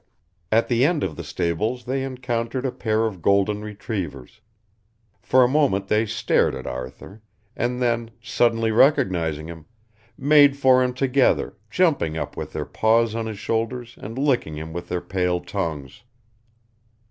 At the end of the stables they encountered a pair of golden retrievers. For a moment they stared at Arthur, and then, suddenly recognising him, made for him together, jumping up with their paws on his shoulders and licking him with their pale tongues.